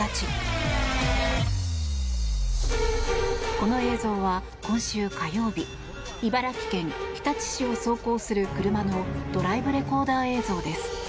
この映像は今週火曜日茨城県日立市を走行する車のドライブレコーダー映像です。